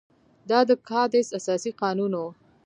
دا د کادیس اساسي قانون وو.